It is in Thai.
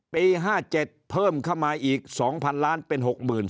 ๕๗เพิ่มเข้ามาอีก๒๐๐๐ล้านเป็น๖๔๐๐